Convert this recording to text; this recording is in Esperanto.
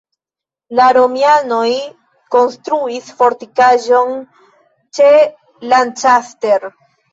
La romianoj konstruis fortikaĵon ĉe Lancaster.